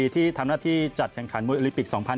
ที่ทำหน้าที่จัดแข่งขันมวยโอลิปิก๒๐๑๖